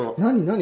何？